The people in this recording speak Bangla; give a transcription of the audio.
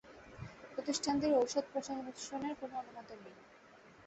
প্রতিষ্ঠানটির ঔষধ প্রশাসনের কোনো অনুমোদন নেই।